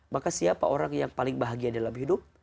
maka siapa orang yang paling bahagia dalam hidup